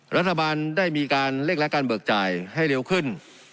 รัฐบาลได้มีการเลขรักการเบิกจ่ายให้เร็วขึ้น